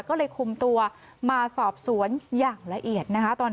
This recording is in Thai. ก็เลยคุมตัวมาสอบสวนอย่างละเอียดนะคะ